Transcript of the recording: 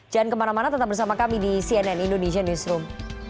jangan kemana mana tetap bersama kami di cnn indonesia newsroom